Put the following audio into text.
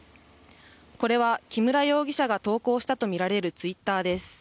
これは、木村容疑者が投稿したとみられるツイッターです。